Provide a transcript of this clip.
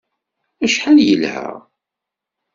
Acḥal yelha!